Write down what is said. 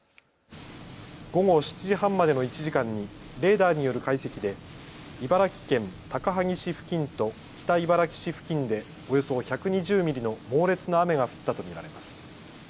午後７時半までの１時間にレーダーによる解析で茨城県高萩市付近と北茨城市付近でおよそ１２０ミリの猛烈な雨が降ったと見られます。